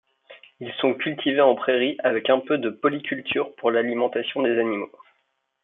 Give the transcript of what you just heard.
Ils sont cultivés en prairies avec un peu de polyculture pour l’alimentation des animaux.